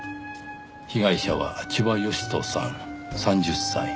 被害者は千葉義人さん３０歳。